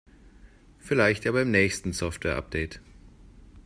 Vielleicht ja beim nächsten Softwareupdate.